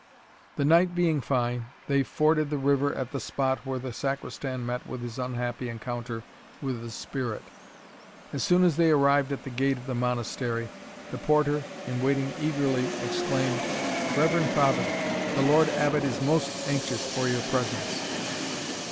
The night being fine, they forded the river at the spot where the Sacristan met with his unhappy encounter with the spirit. As soon as they arrived at the gate of the Monastery, the porter in waiting eagerly exclaimed, "Reverend father, the Lord Abbot is most anxious for your presence."